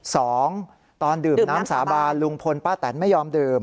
สองตอนดื่มน้ำสาบานลุงพลป้าแตนไม่ยอมดื่ม